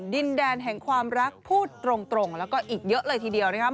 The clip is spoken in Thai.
ดินแดนแห่งความรักพูดตรงแล้วก็อีกเยอะเลยทีเดียวนะครับ